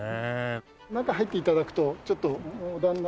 中入って頂くとちょっとモダンな。